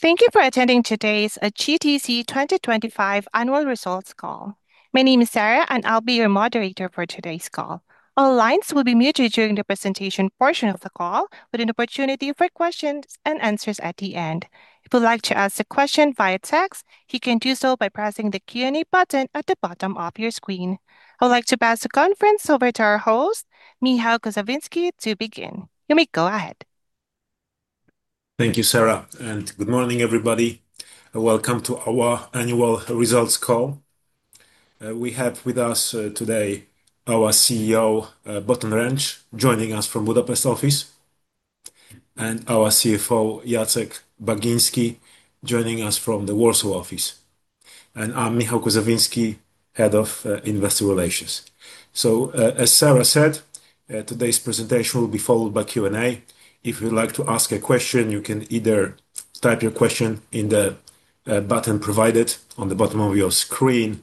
Thank you for attending today's GTC 2025 Annual Results Call. My name is Sarah, and I'll be your moderator for today's call. All lines will be muted during the presentation portion of the call, with an opportunity for questions-and-answers at the end. If you'd like to ask a question via text, you can do so by pressing the Q&A button at the bottom of your screen. I would like to pass the conference over to our host, Michał Kuzawiński, to begin. You may go ahead. Thank you, Sarah, and good morning, everybody. Welcome to our annual results call. We have with us today our CEO, Botond Rencz joining us from Budapest office, and our CFO, Jacek Bagiński, joining us from the Warsaw office. I'm Michał Kuzawiński, Head of Investor Relations. As Sarah said, today's presentation will be followed by Q&A. If you'd like to ask a question, you can either type your question in the button provided on the bottom of your screen,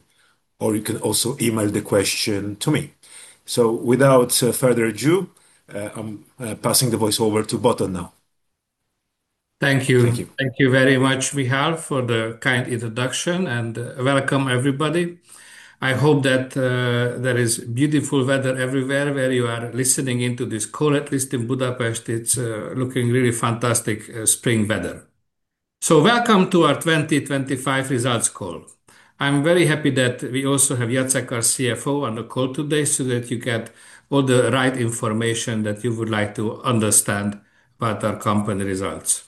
or you can also email the question to me. Without further ado, I'm passing the voice over to Botond now. Thank you. Thank you very much, Michał, for the kind introduction. Welcome everybody. I hope that there is beautiful weather everywhere where you are listening in to this call. At least in Budapest it's looking really fantastic spring weather. Welcome to our 2025 results call. I'm very happy that we also have Jacek, our CFO, on the call today so that you get all the right information that you would like to understand about our company results.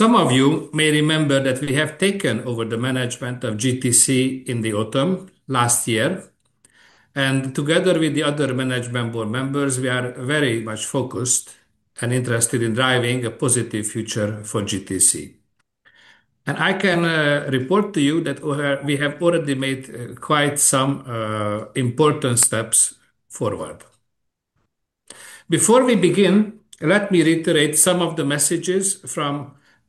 Some of you may remember that we have taken over the management of GTC in the autumn last year. Together with the other management Board members, we are very much focused and interested in driving a positive future for GTC. I can report to you that we have already made quite some important steps forward. Before we begin, let me reiterate some of the messages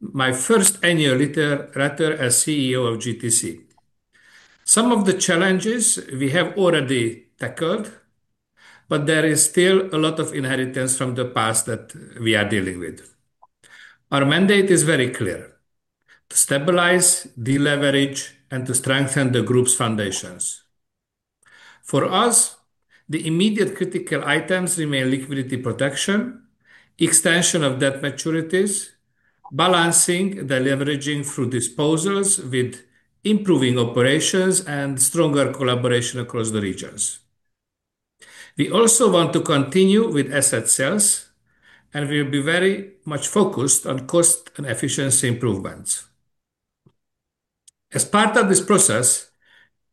from my first annual letter as CEO of GTC. Some of the challenges we have already tackled, but there is still a lot of inheritance from the past that we are dealing with. Our mandate is very clear: to stabilize, deleverage, and to strengthen the group's foundations. For us, the immediate critical items remain liquidity protection, extension of debt maturities, balancing the leveraging through disposals with improving operations and stronger collaboration across the regions. We also want to continue with asset sales, and we'll be very much focused on cost and efficiency improvements. As part of this process,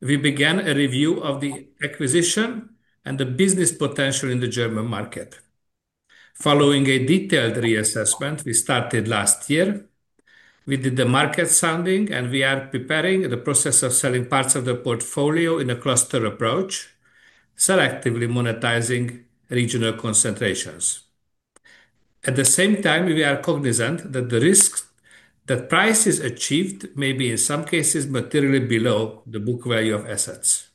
we began a review of the acquisition and the business potential in the German market. Following a detailed reassessment we started last year, we did the market sounding, and we are preparing the process of selling parts of the portfolio in a cluster approach, selectively monetizing regional concentrations. At the same time, we are cognizant that the risks, the prices achieved may be in some cases materially below the book value of assets.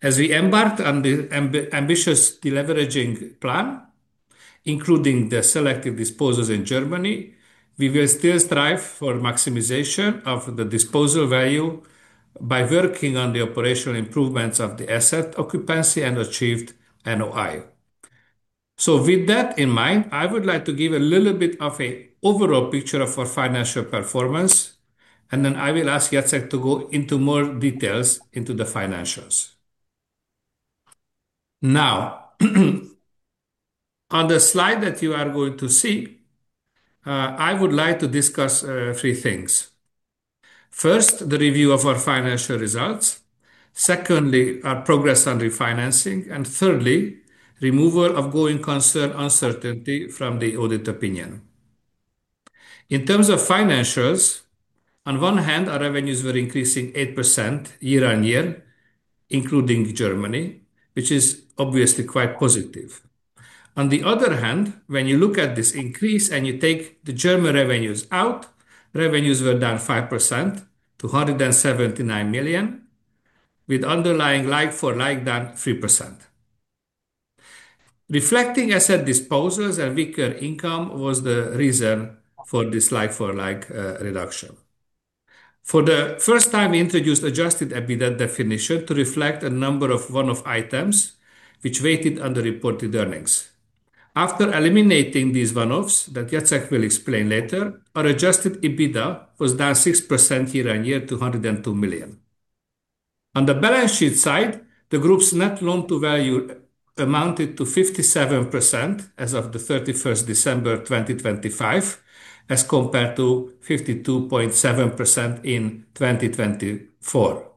As we embarked on the ambitious deleveraging plan, including the selective disposals in Germany, we will still strive for maximization of the disposal value by working on the operational improvements of the asset occupancy and achieved NOI. With that in mind, I would like to give a little bit of a overall picture of our financial performance, and then I will ask Jacek to go into more details into the financials. Now, on the slide that you are going to see, I would like to discuss three things. First, the review of our financial results. Secondly, our progress on refinancing. Thirdly, removal of going concern uncertainty from the audit opinion. In terms of financials, on one hand, our revenues were increasing 8% year-on-year, including Germany, which is obviously quite positive. On the other hand, when you look at this increase and you take the German revenues out, revenues were down 5% to 179 million, with underlying like-for-like down 3%. Reflecting asset disposals and weaker income was the reason for this like-for-like reduction. For the first time, we introduced adjusted EBITDA definition to reflect a number of one-off items which weighted under reported earnings. After eliminating these one-offs, that Jacek will explain later, our adjusted EBITDA was down 6% year-on-year to 102 million. On the balance sheet side, the group's net loan to value amounted to 57% as of the 31st December 2025, as compared to 52.7% in 2024.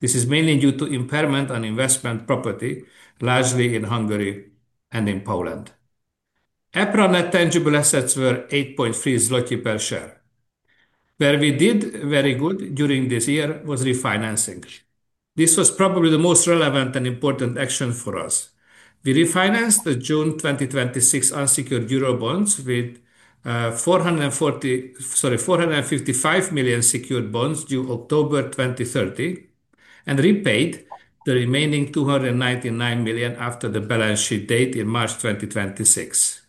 This is mainly due to impairment on investment property, largely in Hungary and in Poland. EPRA net tangible assets were 8.3 zloty per share. Where we did very good during this year was refinancing. This was probably the most relevant and important action for us. We refinanced the June 2026 unsecured EUR bonds with 455 million secured bonds due October 2030. Repaid the remaining 299 million after the balance sheet date in March 2026.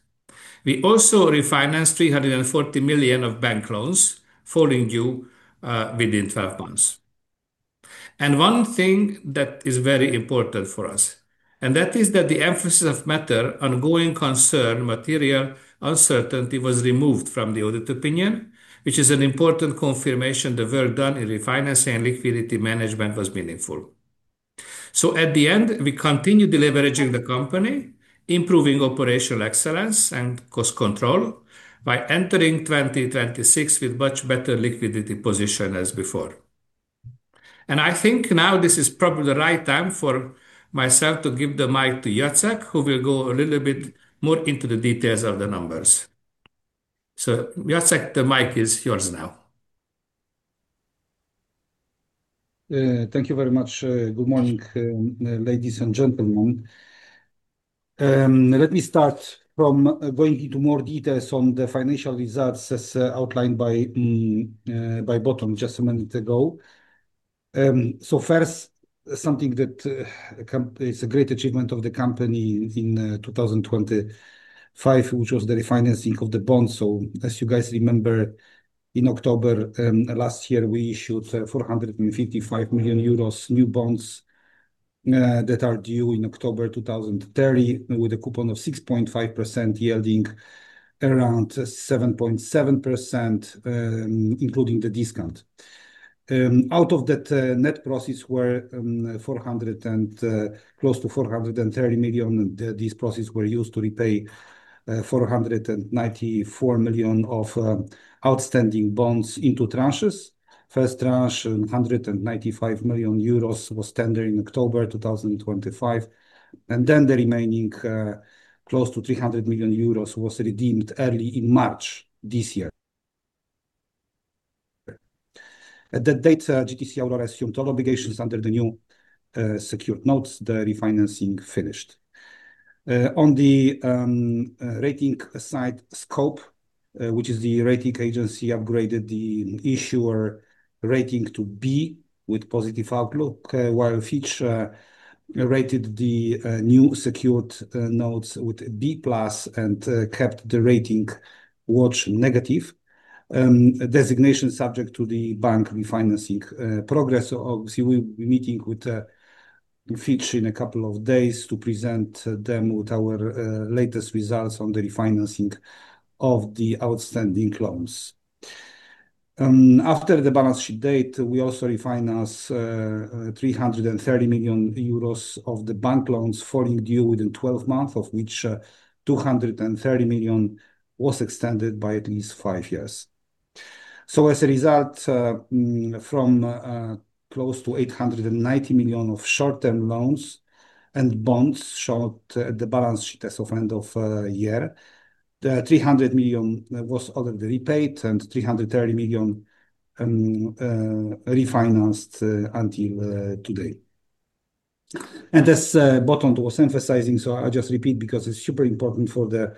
We also refinanced 340 million of bank loans falling due within 12 months. One thing that is very important for us, and that is that the emphasis of matter going concern material uncertainty was removed from the audit opinion, which is an important confirmation the work done in refinancing and liquidity management was meaningful. At the end, we continued deleveraging the company, improving operational excellence and cost control by entering 2026 with much better liquidity position as before. I think now this is probably the right time for myself to give the mic to Jacek, who will go a little bit more into the details of the numbers. Jacek, the mic is yours now. Thank you very much. Good morning, ladies and gentlemen. Let me start from going into more details on the financial results as outlined by Botond just a minute ago. First, something that it's a great achievement of the company in 2025, which was the refinancing of the bonds. As you guys remember, in October last year, we issued 455 million euros new bonds that are due in October 2030, with a coupon of 6.5% yielding around 7.7%, including the discount. Out of that, net proceeds were close to 430 million. These proceeds were used to repay 494 million of outstanding bonds into tranches. First tranche, 195 million euros was tendered in October 2025, the remaining, close to 300 million euros was redeemed early in March this year. The dates that you see are assumed all obligations under the new, secured notes. The refinancing finished. On the rating side, Scope, which is the rating agency, upgraded the issuer rating to B with positive outlook, while Fitch rated the new secured notes with B+ and kept the rating watch negative designation subject to the bank refinancing progress. We'll be meeting with Fitch in a couple of days to present them with our latest results on the refinancing of the outstanding loans. After the balance sheet date, we also refinance 330 million euros of the bank loans falling due within 12 months, of which 230 million was extended by at least five years. As a result, from close to 890 million of short-term loans and bonds showed the balance sheet as of end of year. The 300 million was already repaid and 330 million refinanced until today. As Botond was emphasizing, I'll just repeat because it's super important for the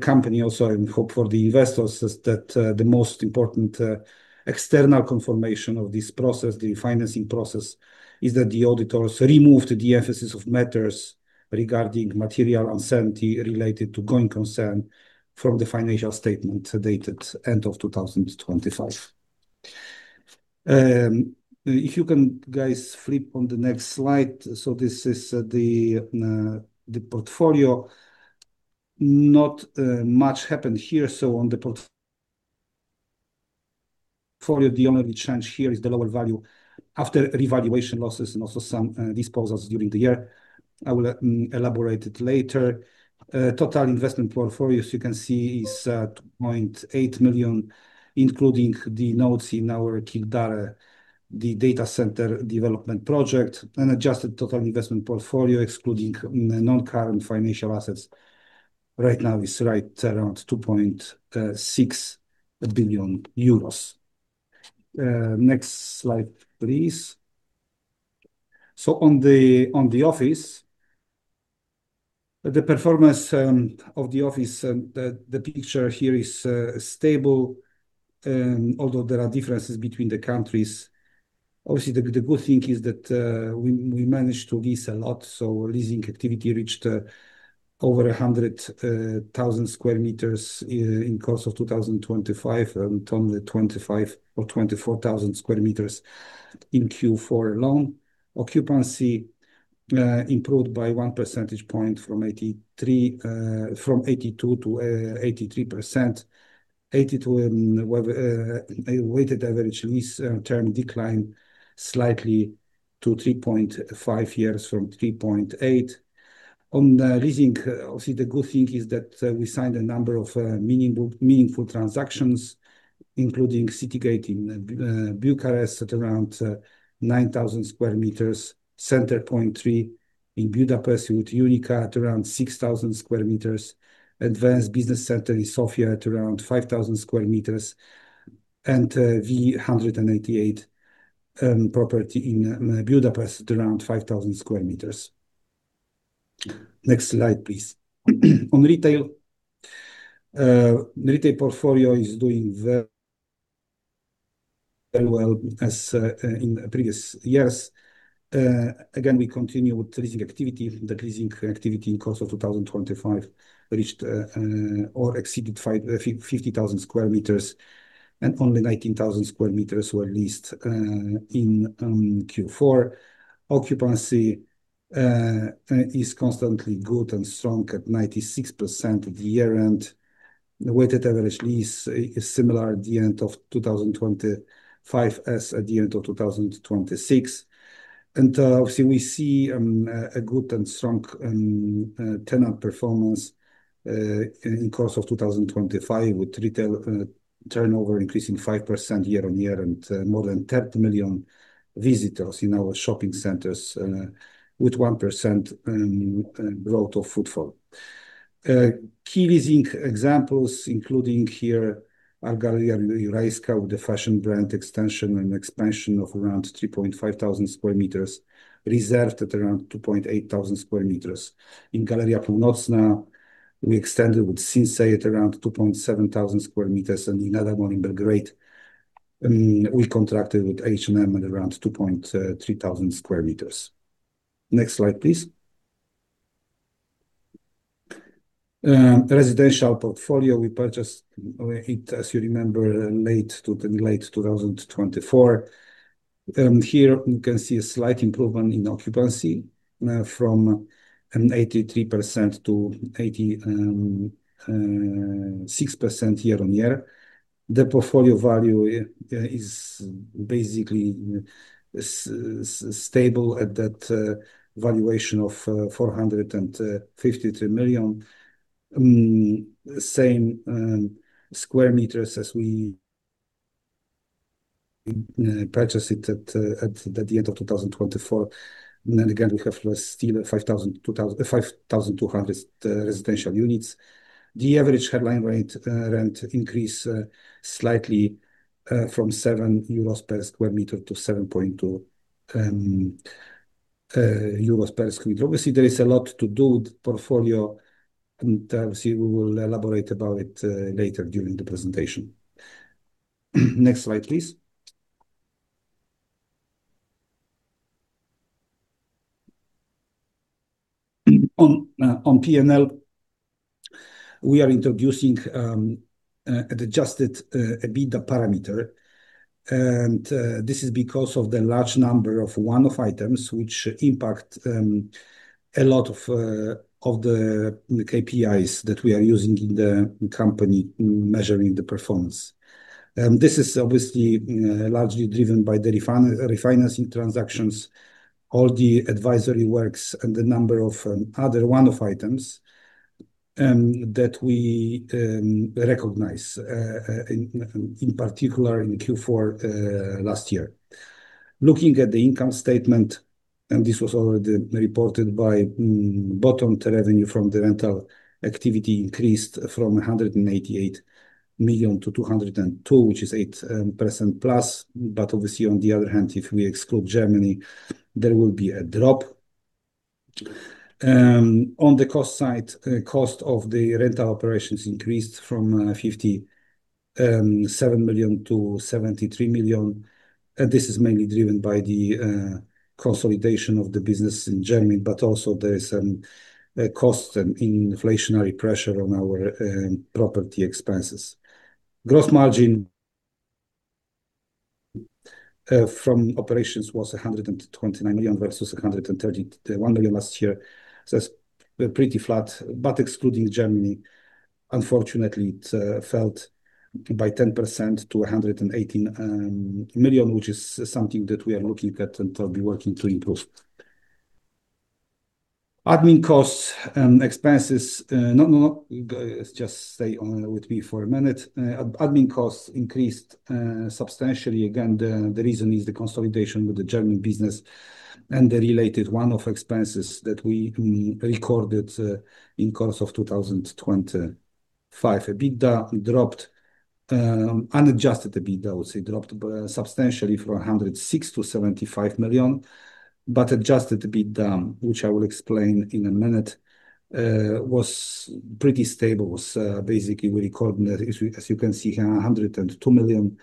company also and for the investors, is that the most important external confirmation of this process, the refinancing process, is that the auditors removed the emphasis of matters regarding material uncertainty related to going concern from the financial statement dated end of 2025. If you can guys flip on the next slide. This is the portfolio. Not much happened here. On the portfolio, the only change here is the lower value after revaluation losses and also some disposals during the year. I will elaborate it later. Total investment portfolio, as you can see, is 2.8 million, including the notes in our Kildare, the data center development project. Adjusted total investment portfolio, excluding non-current financial assets right now is right around 2.6 billion euros. Next slide, please. On the, on the office, the performance of the office, the picture here is stable, although there are differences between the countries. Obviously, the good thing is that we managed to lease a lot, so leasing activity reached over 100,000 sq m in course of 2025, only 25,000 sq m or 24,000 sq m in Q4 alone. Occupancy improved by 1 percentage point from 82%-83%. Weighted average lease term declined slightly to 3.5 years from 3.8 years. On the leasing, obviously the good thing is that we signed a number of meaningful transactions, including City Gate in Bucharest at around 9,000 sq m, Centerpoint 3 in Budapest with UNIQA at around 6,000 sq m, Advance Business Center in Sofia at around 5,000 sq m, and V188 property in Budapest around 5,000 sq m. Next slide, please. On retail portfolio is doing very, very well as in the previous years. Again, we continue with leasing activity. The leasing activity in course of 2025 reached or exceeded 50,000 sq m, and only 19,000 sq m were leased in Q4. Occupancy is constantly good and strong at 96% at year-end. The weighted average lease is similar at the end of 2025 as at the end of 2026. Obviously, we see a good and strong tenant performance in course of 2025, with retail turnover increasing 5% year-on-year and more than 30 million visitors in our shopping centers with 1% growth of footfall. Key leasing examples, including here are Galeria Jurajska with the fashion brand extension and expansion of around 3,500 sq m, Reserved at around 2,800 sq m. In Galeria Północna, we extended with Sinsay at around 2,700 sq m, and another one in Belgrade, we contracted with H&M at around 2,300 sq m. Next slide, please. Residential portfolio, we purchased it, as you remember, late 2024. Here you can see a slight improvement in occupancy from 83%-86% year-on-year. The portfolio value is basically stable at that valuation of 453 million, same square meters as we purchased it at the end of 2024. Again, we have still 5,200 residential units. The average headline rate rent increase slightly from 7 euros per sq m to 7.2 euros per sq m. Obviously, there is a lot to do with portfolio, and obviously we will elaborate about it later during the presentation. Next slide, please. On P&L, we are introducing adjusted EBITDA parameter. This is because of the large number of one-off items which impact a lot of the KPIs that we are using in the company measuring the performance. This is obviously largely driven by the refinancing transactions, all the advisory works and the number of other one-off items that we recognize in particular in Q4 last year. Looking at the income statement, this was already reported by Botond, revenue from the rental activity increased from 188 million-202 million, which is 8%+. Obviously, on the other hand, if we exclude Germany, there will be a drop. On the cost side, the cost of the rental operations increased from 57 million-73 million. This is mainly driven by the consolidation of the business in Germany, but also there is a cost and inflationary pressure on our property expenses. Gross margin from operations was 129 million versus 131 million last year. It's pretty flat. Excluding Germany, unfortunately, it fell by 10% to 118 million, which is something that we are looking at and I'll be working to improve. Admin costs and expenses, no, just stay on with me for a minute. Admin costs increased substantially. Again, the reason is the consolidation with the German business and the related one-off expenses that we recorded in course of 2025. EBITDA dropped, unadjusted EBITDA, I would say, dropped substantially from 106 million to 75 million. Adjusted EBITDA, which I will explain in a minute, was pretty stable, was, basically we recorded, as you can see here, 102 million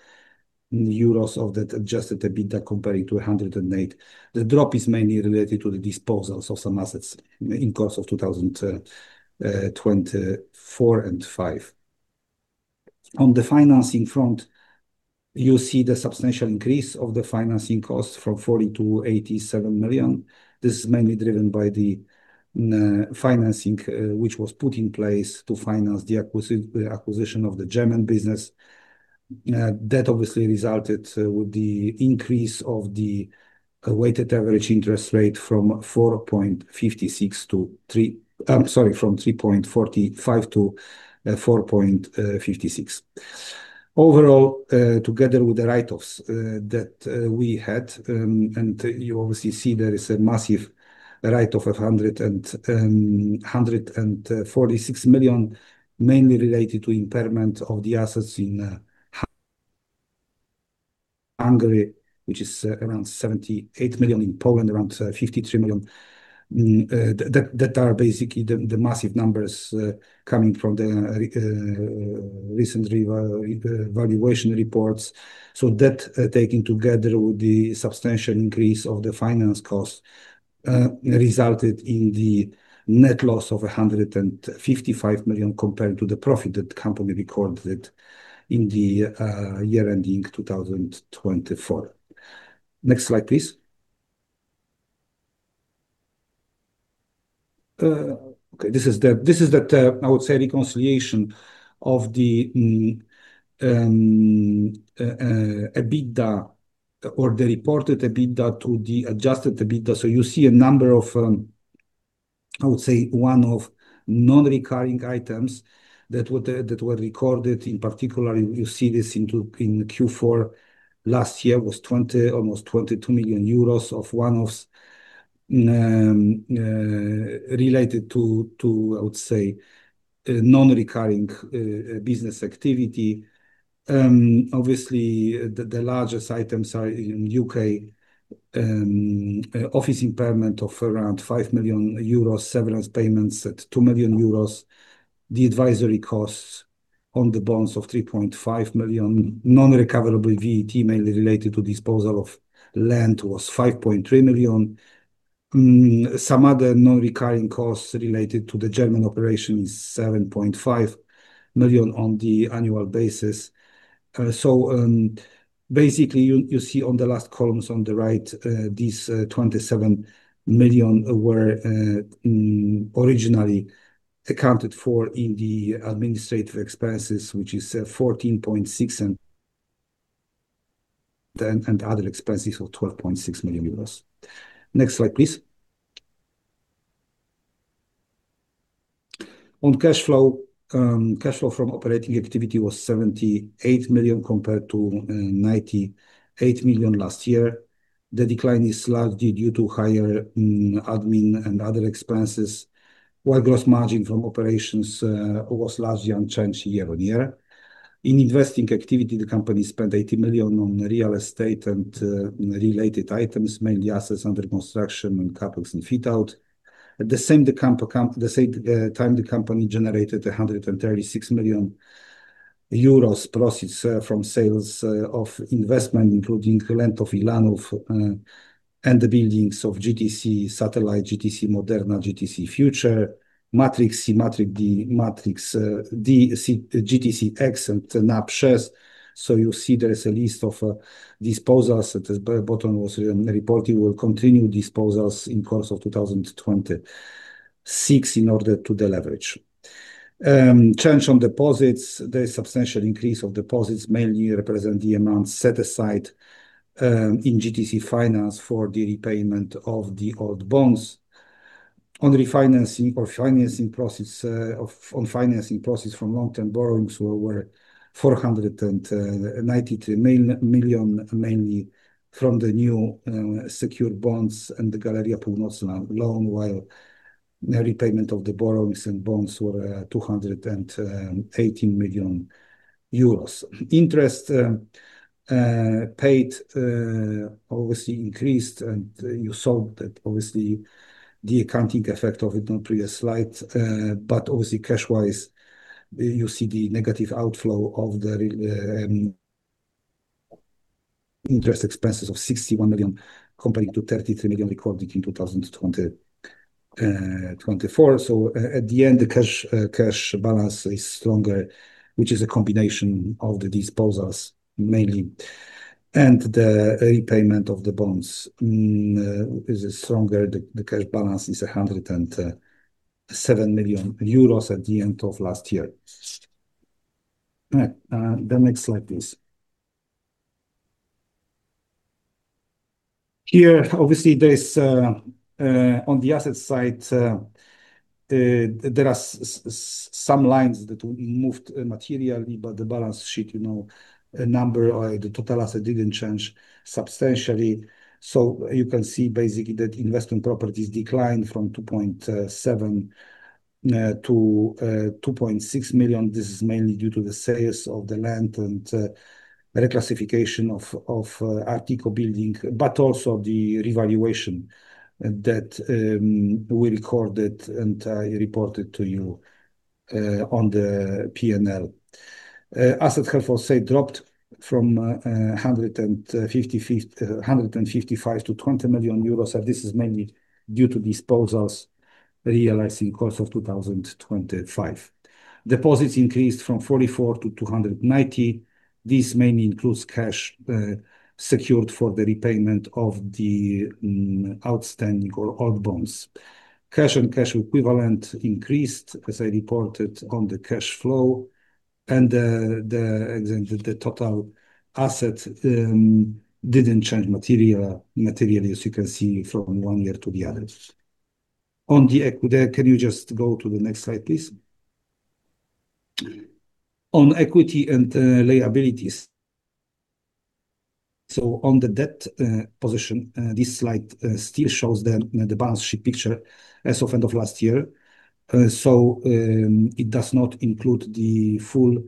euros of that adjusted EBITDA comparing to 108 million. The drop is mainly related to the disposals of some assets in course of 2024 and 2025. On the financing front, you see the substantial increase of the financing costs from 40 million-87 million. This is mainly driven by the financing which was put in place to finance the acquisition of the German business. That obviously resulted with the increase of the weighted average interest rate from 3.45%-4.56%. Overall, together with the write-offs that we had, and you obviously see there is a massive write-off of 146 million, mainly related to impairment of the assets in Hungary, which is around 78 million. In Poland, around 53 million. That are basically the massive numbers coming from the recent valuation reports. That, taking together with the substantial increase of the finance cost, resulted in the net loss of 155 million compared to the profit that company recorded in the year ending 2024. Next slide, please. Okay, this is the, I would say reconciliation of the EBITDA or the reported EBITDA to the adjusted EBITDA. You see a number of, I would say one-off non-recurring items that were recorded in particular, and you see this in Q4 last year, was almost 22 million euros of one-offs related to, I would say, non-recurring business activity. Obviously, the largest items are in U.K. office impairment of around 5 million euros, severance payments at 2 million euros. The advisory costs on the bonds of 3.5 million non-recoverable VAT mainly related to disposal of land was 5.3 million. Some other non-recurring costs related to the German operation is 7.5 million on the annual basis. Basically, you see on the last columns on the right, these 27 million were originally accounted for in the administrative expenses, which is 14.6 million and other expenses of 12.6 million euros. Next slide, please. On cashflow from operating activity was 78 million compared to 98 million last year. The decline is largely due to higher admin and other expenses, while gross margin from operations was largely unchanged year-on-year. In investing activity, the company spent 80 million on real estate and related items, mainly assets under construction and CapEx and fit-out. At the same time the company generated 136 million euros proceeds from sales of investment, including land of [Ilanof] and the buildings of GTC Satellite, GTC Moderna, GTC Future, Matrix C, Matrix D, C, GTC X, and Nabrzeże. You see there is a list of disposals. At the bottom was, reporting will continue disposals in course of 2026 in order to deleverage. Change on deposits. The substantial increase of deposits mainly represent the amount set aside in GTC Finance for the repayment of the old bonds. On refinancing or financing proceeds, on financing proceeds from long-term borrowings were 493 million, mainly from the new secured bonds and the Galeria Północna loan, while the repayment of the borrowings and bonds were 218 million euros. Interest paid obviously increased, and you saw that obviously the accounting effect of it on previous slide. Obviously cash-wise, you see the negative outflow of the interest expenses of 61 million compared to 33 million recorded in 2024. At the end, the cash balance is stronger, which is a combination of the disposals mainly, and the repayment of the bonds, is stronger. The cash balance is 107 million euros at the end of last year. All right, the next slide, please. Here, obviously, there are some lines that moved materially, but the balance sheet, you know, number or the total asset didn't change substantially. You can see basically that investment properties declined from 2.7 million-2.6 million. This is mainly due to the sales of the land and reclassification of Artico building, but also the revaluation that we recorded and reported to you on the P&L. Asset, per se, dropped from 155 million to 20 million euros, and this is mainly due to disposals realized in course of 2025. Deposits increased from 44 million to 290 million. This mainly includes cash, secured for the repayment of the outstanding or old bonds. Cash and cash equivalent increased, as I reported on the cash flow and the total asset didn't change materially as you can see from one year to the others. Can you just go to the next slide, please? On equity and liabilities. On the debt position, this slide still shows the balance sheet picture as of end of last year. It does not include the full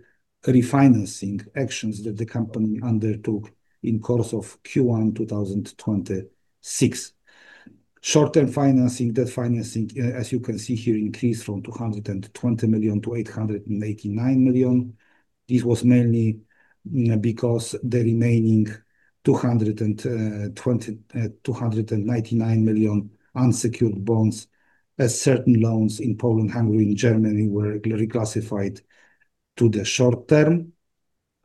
refinancing actions that the company undertook in course of Q1 2026. Short-term financing, debt financing, as you can see here, increased from 220 million to 889 million. This was mainly, you know, because the remaining 299 million unsecured bonds as certain loans in Poland, Hungary, and Germany were reclassified to the short term.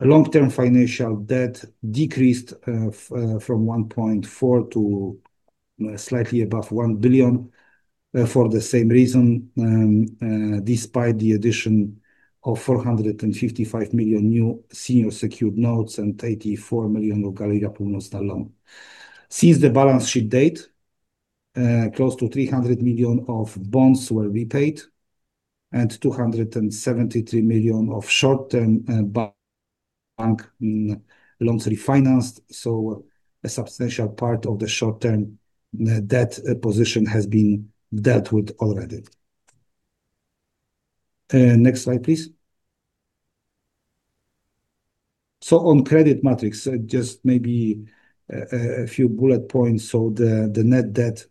Long-term financial debt decreased from 1.4 billion to slightly above 1 billion for the same reason, despite the addition of 455 million new senior secured notes and 84 million local Galeria Północna loan. Since the balance sheet date, close to 300 million of bonds were repaid and 273 million of short-term bank loans refinanced, a substantial part of the short-term debt position has been dealt with already. Next slide, please. On credit metrics, just maybe a few bullet points. The net debt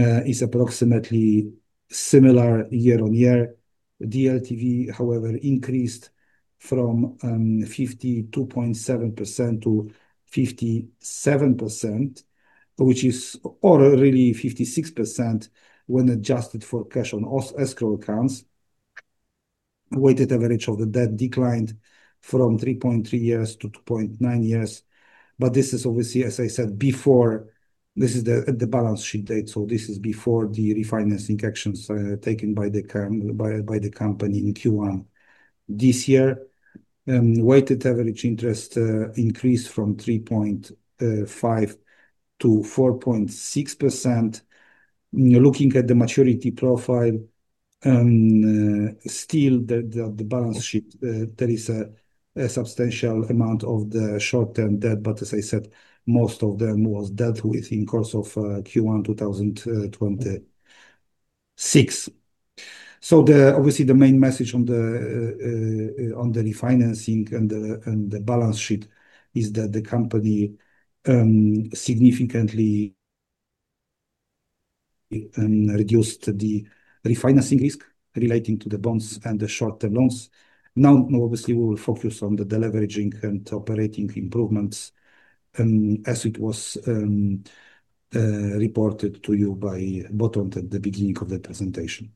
is approximately similar year-over-year. DLT, however, increased from 52.7%-57%, which is, or really 56% when adjusted for cash on escrow accounts. Weighted average of the debt declined from 3.3 years to 2.9 years. This is obviously, as I said before, this is the balance sheet date, so this is before the refinancing actions taken by the company in Q1 this year. Weighted average interest increased from 3.5%-4.6%. Looking at the maturity profile, still the balance sheet, there is a substantial amount of the short-term debt. As I said, most of them was dealt with in course of Q1 2026. The, obviously, the main message on the refinancing and the, and the balance sheet is that the company significantly reduced the refinancing risk relating to the bonds and the short-term loans. Obviously, we will focus on the deleveraging and operating improvements, as it was reported to you by Botond at the beginning of the presentation.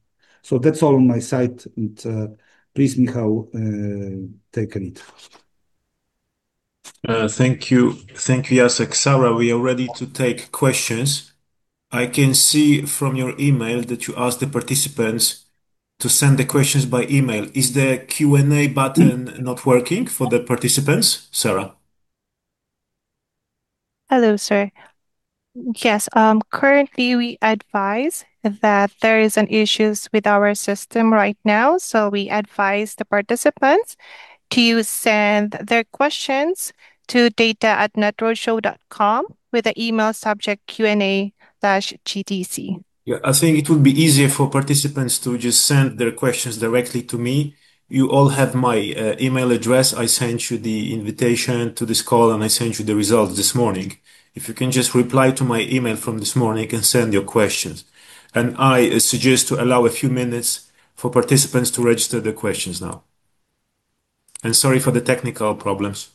That's all on my side. Please, Michał, take it. Thank you. Thank you, Jacek. Sarah, we are ready to take questions. I can see from your email that you asked the participants to send the questions by email. Is the Q&A button not working for the participants, Sarah? Hello, sir. Yes, currently, we advise that there is an issues with our system right now. We advise the participants to send their questions to data@netroadshow.com with the email subject Q&A-GTC. Yeah. I think it would be easier for participants to just send their questions directly to me. You all have my email address. I sent you the invitation to this call, I sent you the results this morning. If you can just reply to my email from this morning and send your questions. I suggest to allow a few minutes for participants to register the questions now. Sorry for the technical problems.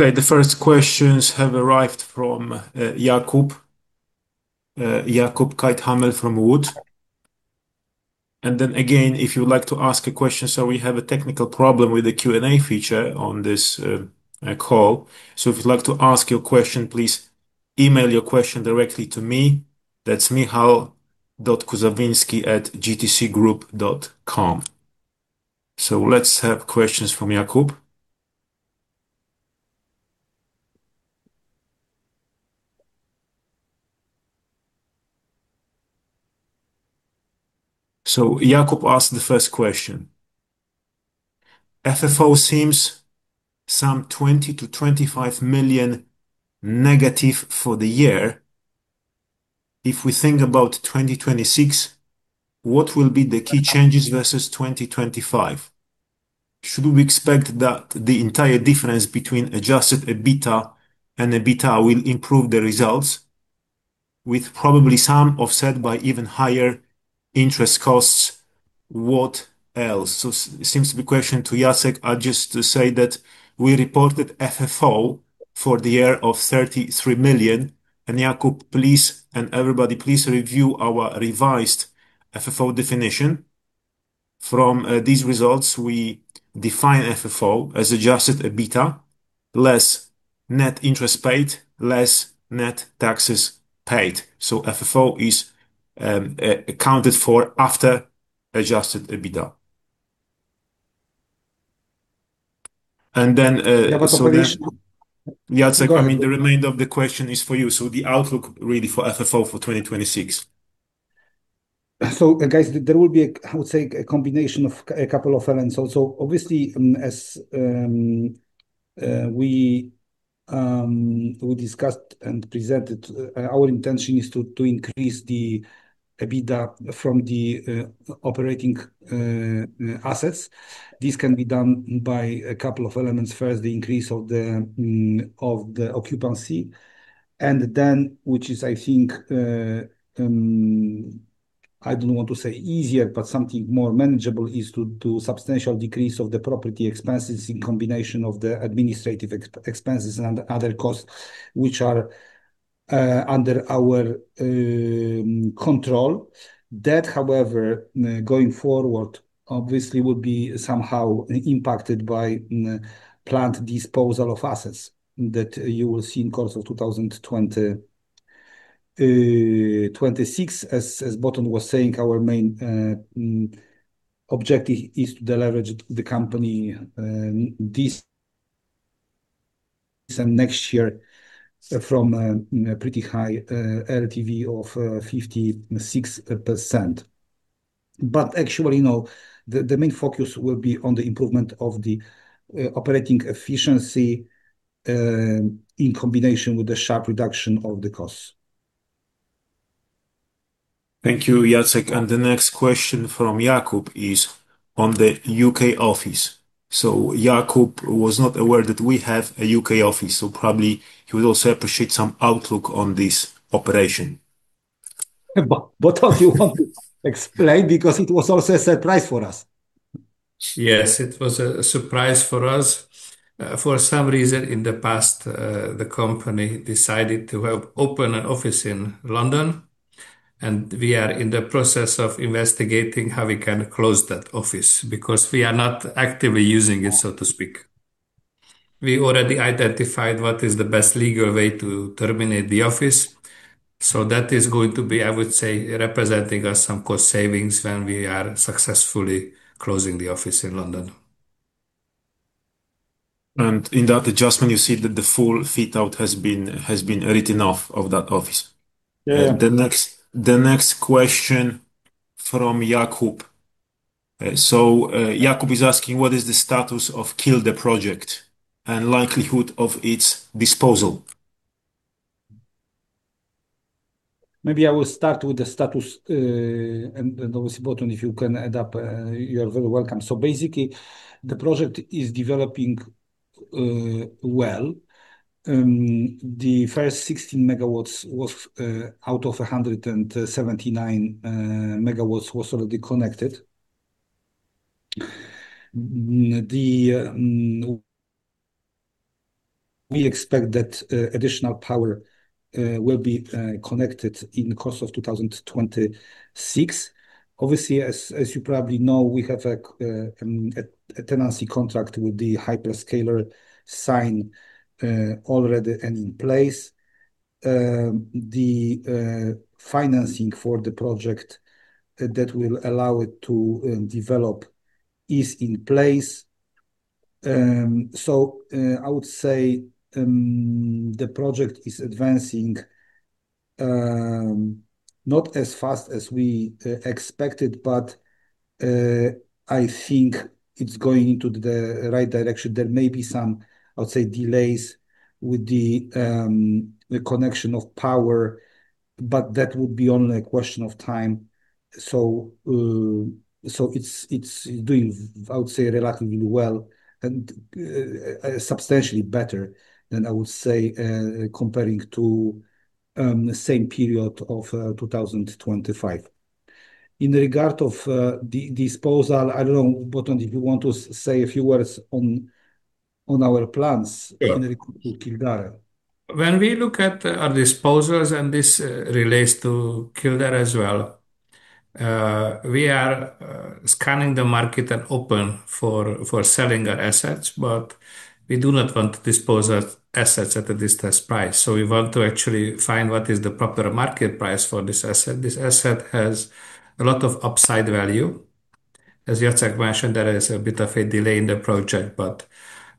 Okay. The first questions have arrived from Jakub. Jakub Caithaml from Wood. Then again, if you would like to ask a question, sir, we have a technical problem with the Q&A feature on this call. If you'd like to ask your question, please email your question directly to me. That's michal.kuzawinski@gtc.com. Let's have questions from Jakub. Jakub asked the first question: FFO seems some 20 million-25 million negative for the year. If we think about 2026, what will be the key changes versus 2025? Should we expect that the entire difference between adjusted EBITDA and EBITDA will improve the results, with probably some offset by even higher interest costs? What else? Seems to be a question to Jacek. I'll just say that we reported FFO for the year of 33 million. Jakub, please, and everybody, please review our revised FFO definition. From these results, we define FFO as adjusted EBITDA, less net interest paid, less net taxes paid. FFO is accounted for after adjusted EBITDA. There was a question. Jacek, I mean, the remainder of the question is for you. The outlook really for FFO for 2026. Guys, there will be, I would say, a combination of a couple of elements. Obviously, as we discussed and presented, our intention is to increase the EBITDA from the operating assets. This can be done by a couple of elements. First, the increase of the occupancy, and then, which is, I think, I don't want to say easier, but something more manageable is to substantial decrease of the property expenses in combination of the administrative expenses and other costs which are under our control. That, however, going forward, obviously, will be somehow impacted by planned disposal of assets that you will see in course of 2026. As Botond was saying, our main objective is to deleverage the company this and next year from a, you know, pretty high LTV of 56%. Actually, no, the main focus will be on the improvement of the operating efficiency in combination with the sharp reduction of the costs. Thank you, Jacek. The next question from Jakub is on the U.K. office. Jakub was not aware that we have a U.K. office, so probably he would also appreciate some outlook on this operation. Botond, you want to explain, because it was also a surprise for us. Yes, it was a surprise for us. For some reason in the past, the company decided to have open an office in London. We are in the process of investigating how we can close that office because we are not actively using it, so to speak. We already identified what is the best legal way to terminate the office. That is going to be, I would say, representing us some cost savings when we are successfully closing the office in London. In that adjustment, you see that the full fit-out has been written off of that office. Yeah. The next question from Jakub. Jakub is asking: What is the status of Kielder project and likelihood of its disposal? Maybe I will start with the status, and obviously, Botond, if you can add up, you are very welcome. The project is developing well. The first 16 MW was, out of 179 MW, was already connected. The, we expect that additional power will be connected in the course of 2026. Obviously, as you probably know, we have a tenancy contract with the Hyperscaler signed already and in place. The financing for the project that will allow it to develop is in place. I would say, the project is advancing not as fast as we expected, but I think it's going into the right direction. There may be some, I would say, delays with the connection of power, but that would be only a question of time. It's doing, I would say, relatively well and substantially better than I would say, comparing to the same period of 2025. In regard of the disposal, I don't know, Botond, if you want to say a few words on our plans. Yeah ...in regard to Kielder. When we look at our disposals, and this relates to Kielder as well, we are scanning the market and open for selling our assets. We do not want to dispose our assets at a discount price. We want to actually find what is the proper market price for this asset. This asset has a lot of upside value. As Jacek mentioned, there is a bit of a delay in the project.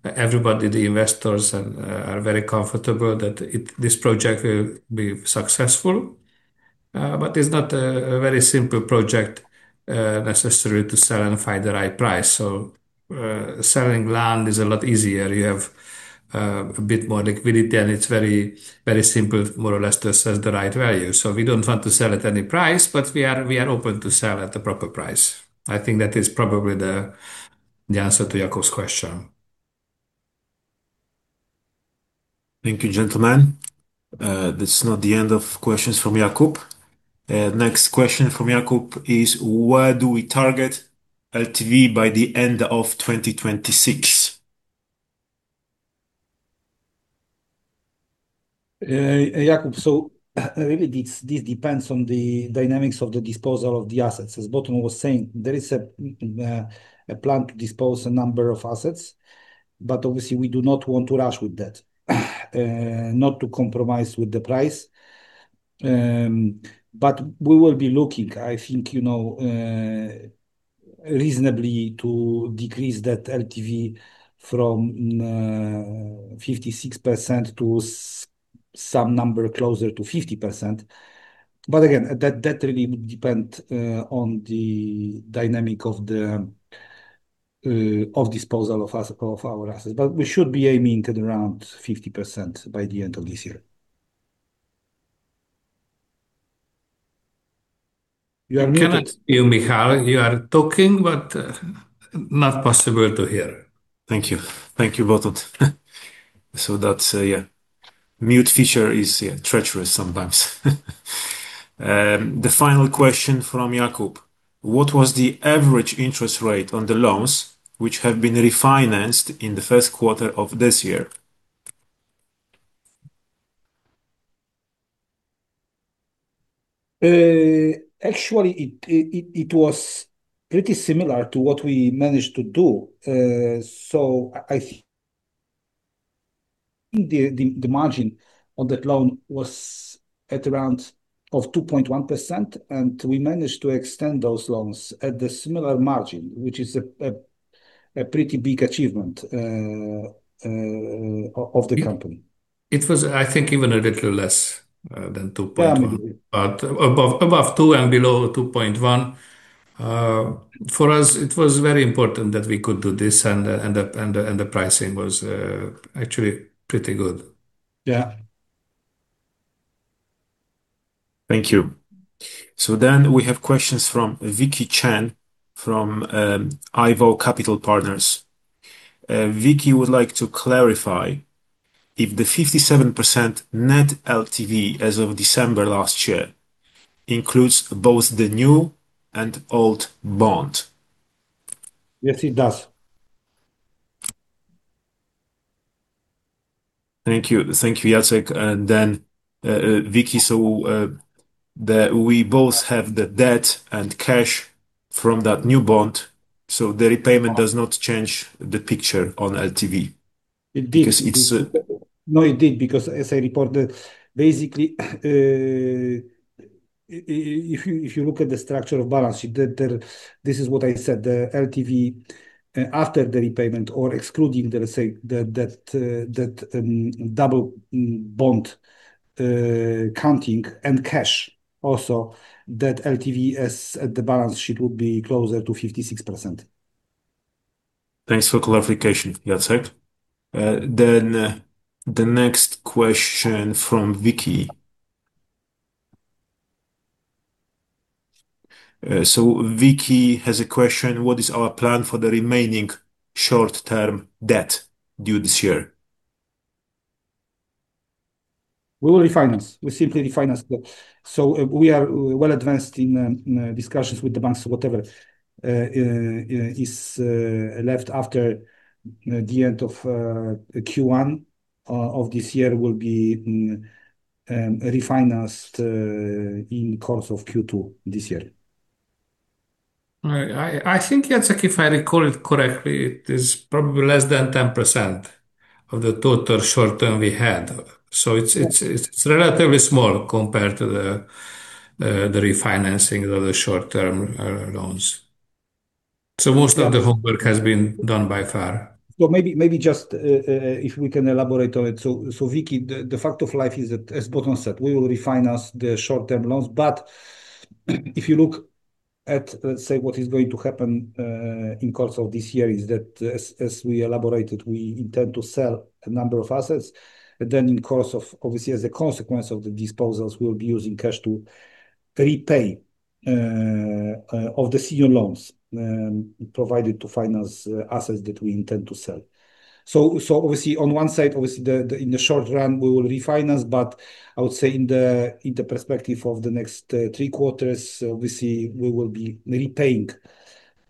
Everybody, the investors and, are very comfortable that this project will be successful. It's not a very simple project, necessarily to sell and find the right price. Selling land is a lot easier. You have a bit more liquidity. It's very simple more or less to assess the right value. We don't want to sell at any price, but we are open to sell at the proper price. I think that is probably the answer to Jakub's question. Thank you, gentlemen. This is not the end of questions from Jakub. Next question from Jakub is: Where do we target LTV by the end of 2026? Jakub, really this depends on the dynamics of the disposal of the assets. As Botond was saying, there is a plan to dispose a number of assets, but obviously we do not want to rush with that, not to compromise with the price. We will be looking, I think, you know, reasonably to decrease that LTV from 56% to some number closer to 50%. Again, that really would depend on the dynamic of the disposal of our assets. We should be aiming at around 50% by the end of this year. You are muted. Cannot hear you, Michał. You are talking, but not possible to hear. Thank you. Thank you, Botond. That's, yeah, mute feature is, yeah, treacherous sometimes. The final question from Jakub: What was the average interest rate on the loans which have been refinanced in the first quarter of this year? Actually, it was pretty similar to what we managed to do. I think the margin on that loan was at around of 2.1%, and we managed to extend those loans at the similar margin, which is a pretty big achievement of the company. It was, I think, even a little less than 2.1.% Yeah. Above 2% and below 2.1%. For us, it was very important that we could do this and the pricing was actually pretty good. Yeah. Thank you. We have questions from Vikky Chen from IVO Capital Partners. Vikky would like to clarify if the 57% net LTV as of December last year includes both the new and old bond? Yes, it does. Thank you. Thank you, Jacek. Vikky, so, we both have the debt and cash from that new bond, so the repayment does not change the picture on LTV. It did. Because it's- No, it did. As I reported, basically, if you look at the structure of balance sheet, This is what I said, the LTV, after the repayment or excluding, let's say, that double bond counting and cash also, that LTV as at the balance sheet would be closer to 56%. Thanks for clarification, Jacek. The next question from Vikky. Vikky has a question: What is our plan for the remaining short-term debt due this year? We will refinance. We simply refinance. We are well-advanced in discussions with the banks. Whatever is left after the end of Q1 of this year will be refinanced in course of Q2 this year. I think, Jacek, if I recall it correctly, it is probably less than 10% of the total short-term we had. It's relatively small compared to the refinancing of the short-term loans. Most of the homework has been done by far. Maybe just if we can elaborate on it. Vikky, the fact of life is that, as Botond said, we will refinance the short-term loans. If you look at what is going to happen in course of this year is that as we elaborated, we intend to sell a number of assets. In course of, obviously, as a consequence of the disposals, we'll be using cash to repay of the senior loans provided to finance assets that we intend to sell. Obviously, on one side, obviously, the in the short run, we will refinance. I would say in the perspective of the next three quarters, obviously, we will be repaying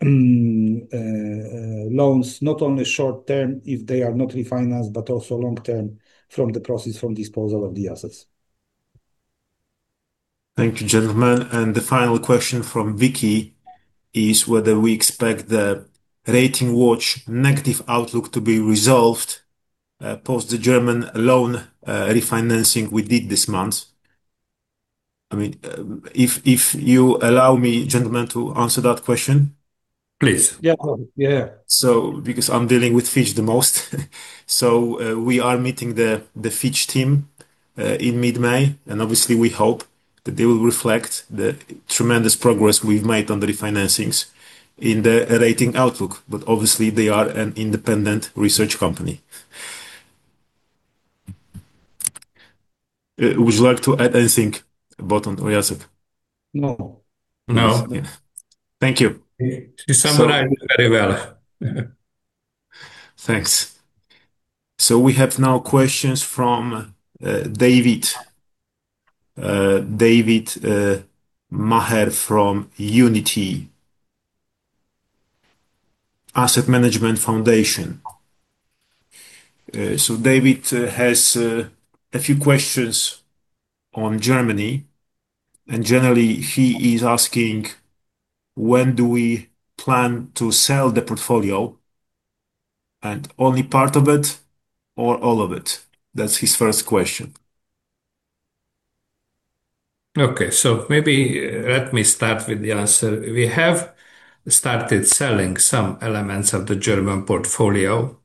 loans, not only short-term if they are not refinanced, but also long-term from the proceeds from disposal of the assets. Thank you, gentlemen. The final question from Vikky is whether we expect the Rating Watch Negative outlook to be resolved post the German loan refinancing we did this month. I mean, if you allow me, gentlemen, to answer that question. Please. Yeah. Yeah, yeah. Because I'm dealing with Fitch the most. We are meeting the Fitch team in mid-May. Obviously, we hope that they will reflect the tremendous progress we've made on the refinancings in the rating outlook. Obviously, they are an independent research company. Would you like to add anything, Botond or Jacek? No. No. Thank you. He summarized very well. Thanks. We have now questions from David. David Macher from Unity Asset Management Foundation. David has a few questions on Germany, and generally he is asking, when do we plan to sell the portfolio, and only part of it or all of it? That's his first question. Okay. Maybe let me start with the answer. We have started selling some elements of the German portfolio,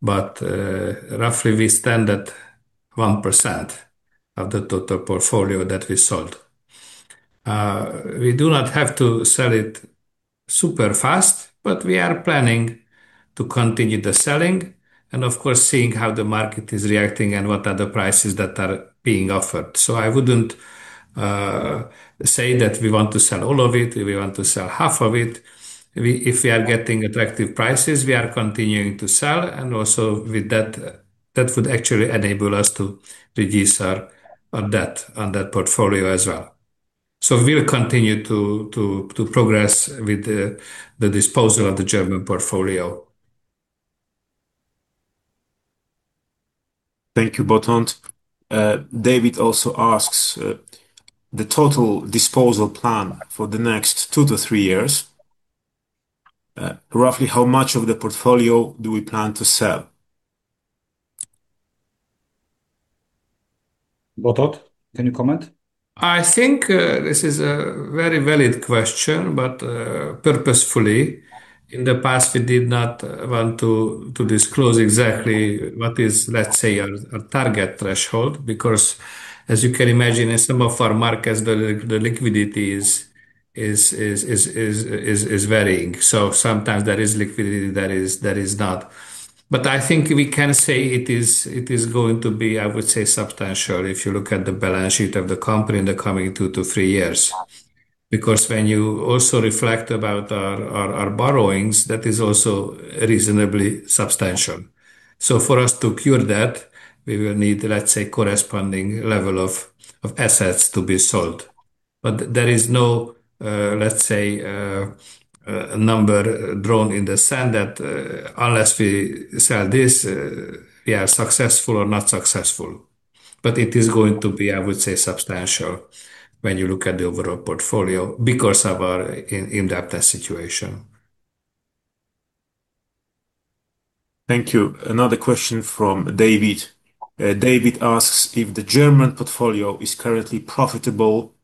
but roughly we stand at 1% of the total portfolio that we sold. We do not have to sell it super fast, we are planning to continue the selling and of course, seeing how the market is reacting and what are the prices that are being offered. I wouldn't say that we want to sell all of it or we want to sell half of it. If we are getting attractive prices, we are continuing to sell, and also with that would actually enable us to reduce our debt on that portfolio as well. We'll continue to progress with the disposal of the German portfolio. Thank you, Botond. David also asks, the total disposal plan for the next two to three years, roughly how much of the portfolio do we plan to sell? Botond, can you comment? I think this is a very valid question. Purposefully, in the past, we did not want to disclose exactly what is, let's say, our target threshold. As you can imagine, in some of our markets, the liquidity is varying. Sometimes there is liquidity, there is not. I think we can say it is going to be, I would say, substantial if you look at the balance sheet of the company in the coming two to three years. When you also reflect about our borrowings, that is also reasonably substantial. For us to cure that, we will need, let's say, corresponding level of assets to be sold. There is no, let's say, number drawn in the sand that unless we sell this, we are successful or not successful. It is going to be, I would say, substantial when you look at the overall portfolio because of our in-depth situation. Thank you. Another question from David. David asks if the German portfolio is currently profitable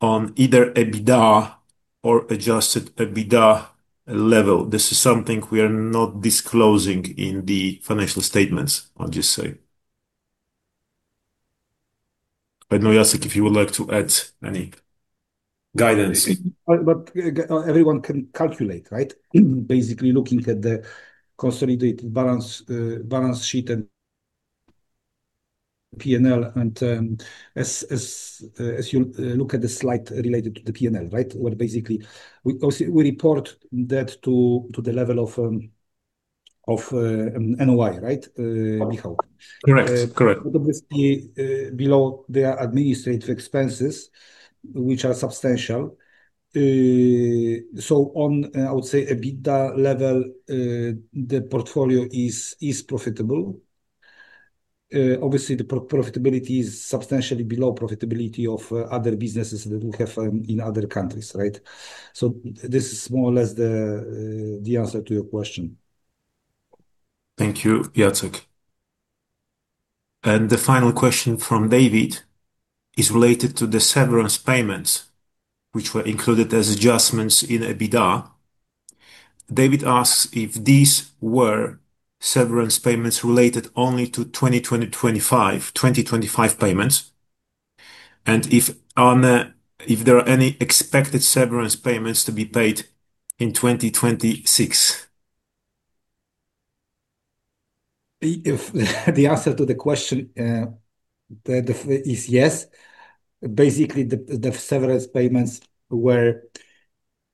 on either EBITDA or adjusted EBITDA level. This is something we are not disclosing in the financial statements, I'll just say. I don't know, Jacek, if you would like to add any guidance. Everyone can calculate, right? Basically, looking at the consolidated balance sheet and P&L and, as you look at the slide related to the P&L, right? Where basically we report that to the level of NOI, right, Michał? Correct. Correct. Obviously, below there are administrative expenses which are substantial. I would say EBITDA level, the portfolio is profitable. Obviously the pro-profitability is substantially below profitability of other businesses that we have in other countries, right? This is more or less the answer to your question. Thank you, Jacek. The final question from David is related to the severance payments, which were included as adjustments in EBITDA. David asks if these were severance payments related only to 2025, 2025 payments, and if there are any expected severance payments to be paid in 2026? If the answer to the question is yes. Basically, the severance payments were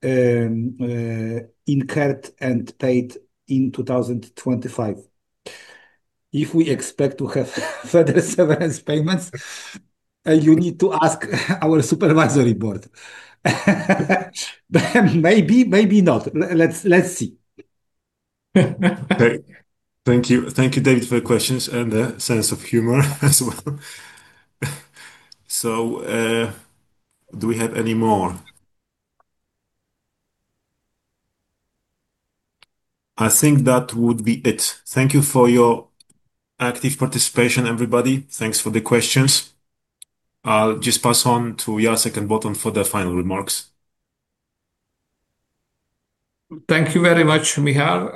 incurred and paid in 2025. If we expect to have further severance payments, you need to ask our supervisory board. Maybe, maybe not. Let's see. Okay. Thank you. Thank you, David, for the questions and the sense of humor as well. Do we have any more? I think that would be it. Thank you for your active participation, everybody. Thanks for the questions. I'll just pass on to Jacek and Botond for their final remarks. Thank you very much, Michał,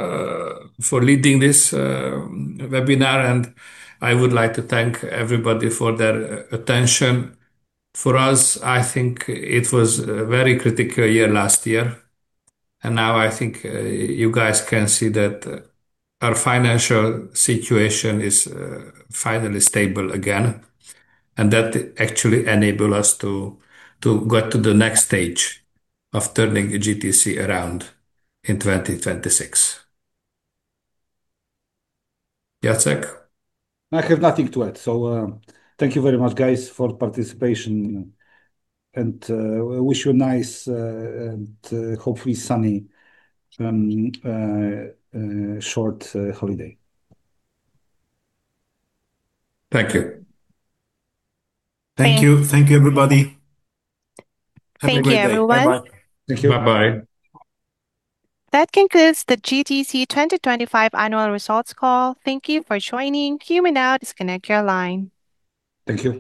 for leading this webinar, and I would like to thank everybody for their attention. For us, I think it was a very critical year last year, and now I think you guys can see that our financial situation is finally stable again, and that actually enable us to go to the next stage of turning GTC around in 2026. Jacek? I have nothing to add. Thank you very much, guys, for participation, and wish you a nice and hopefully sunny short holiday. Thank you. Thank you. Thank you, everybody. Have a great day. Thank you, everyone. Bye-bye. Thank you. Bye-bye. That concludes the GTC 2025 annual results call. Thank you for joining. You may now disconnect your line. Thank you.